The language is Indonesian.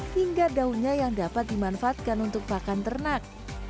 hingga daunnya yang dapat dimanfaatkan untuk pakan ternak